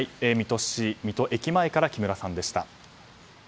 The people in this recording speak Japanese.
水戸駅前から木村さんでした。